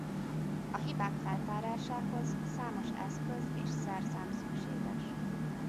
A hibák feltárásához számos eszköz és szerszám szükséges.